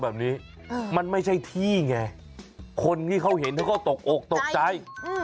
แบบนี้มันไม่ใช่ที่ไงคนที่เขาเห็นเขาก็ตกอกตกใจ